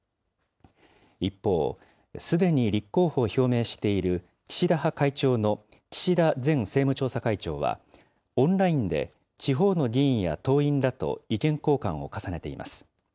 一方、すでに立候補を表明している岸田派会長の岸田前政務調査会長は、オンラインで地方の議員や党員らと意見交換を重ねています。